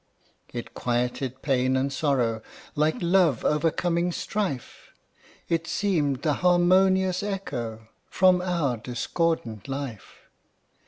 It quieted pain and sorrow, Like love overcoming strife; It seemed the harmonious echo From our discordant life.